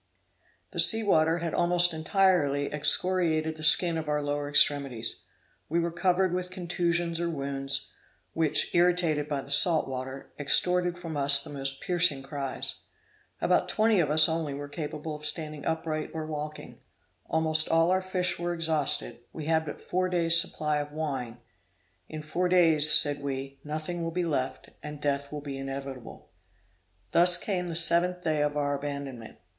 The sea water had almost entirely excoriated the skin of our lower extremities; we were covered with contusions or wounds, which, irritated by the salt water, extorted from us the most piercing cries. About twenty of us only were capable of standing upright or walking. Almost all our fish was exhausted; we had but four days' supply of wine: in four days, said we, nothing will be left, and death will be inevitable. Thus came the seventh day of our abandonment.